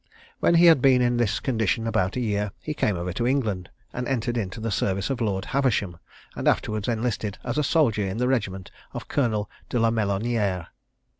When he had been in this condition about a year, he came over to England, and entered into the service of Lord Haversham, and afterwards enlisted as a soldier in the regiment of Colonel de la Melonière.